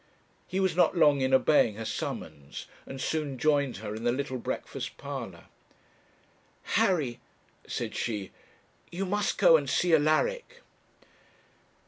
He was not long in obeying her summons, and soon joined her in the little breakfast parlour. 'Harry, said she, 'you must go and see Alaric.'